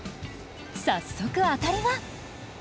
早速当たりが！